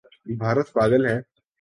بھارت پاگل ہے